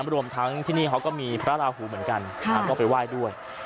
รวมทั้งที่นี่เขาก็มีพระราหูเหมือนกันก็ไปไหว้ด้วย